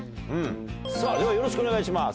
さぁではよろしくお願いします。